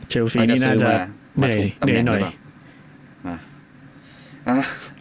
เชลซีนี่น่าจะดีหน่อย